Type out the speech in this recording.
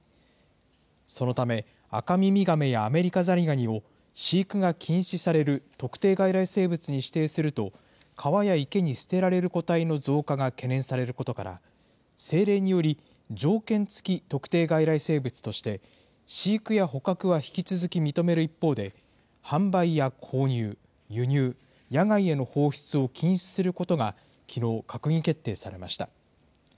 そのため、アカミミガメやアメリカザリガニを飼育が禁止される特定外来生物に指定すると、川や池に捨てられる個体の増加が懸念されることから、政令により、条件付特定外来生物として、飼育や捕獲は引き続き認める一方で、販売や購入、輸入、野外への放出を禁止することがきのう、閣議決定されました。